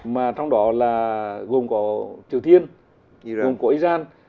mà trong đó là gồm có triều thiên gồm có iran